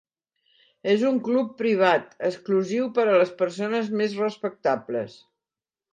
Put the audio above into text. És un club privat exclusiu per a les persones més respectables.